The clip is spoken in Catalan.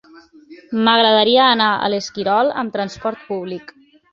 M'agradaria anar a l'Esquirol amb trasport públic.